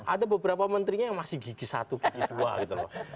ada beberapa menterinya yang masih gigi satu gigi dua gitu loh